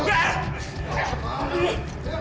eh siapa kalian